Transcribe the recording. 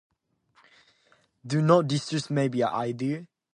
Do not distress me by the idea.